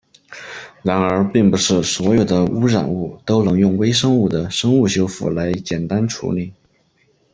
然而并不是所有的污染物都能用微生物的生物修复来简单处理。